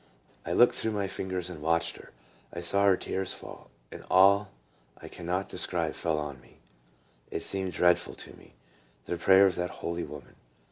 I looked through my fingers and watched her. I saw her tears fall. An awe I cannot de scribe fell on me. It seemed dreadful to me, the prayer of that holy woman.